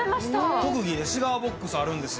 特技でシガーボックスあるんですよ。